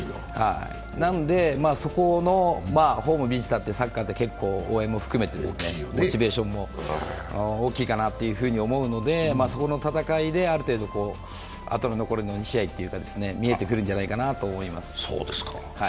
なので、ホーム、ビジターってサッカーって応援含めてモチベーションも大きいかなと思うので、そこの戦いである程度あと残りの２試合が見えてくるんじゃないかなと思います。